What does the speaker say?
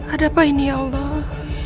ada apa ini ya allah